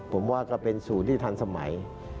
ผมว่าก็เป็นศูนย์ที่ทันสมัย